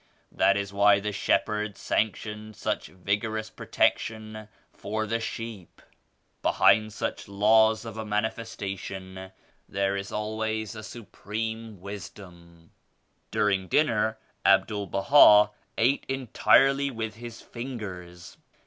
That is why the Shepherd sanctioned such vigorous protection for the sheep. Behind such laws of a Manifestation there is always a supreme wisdom." During dinner Abdul Baha ate entirely with his fingers.